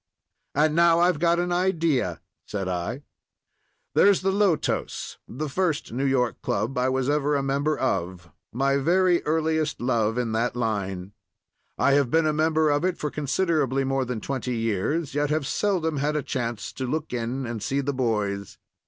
"And now I've got an idea!" said I. "There's the Lotos—the first New York club I was ever a member of—my very earliest love in that line. I have been a member of it for considerably more than twenty years, yet have seldom had a chance to look in and see the boys.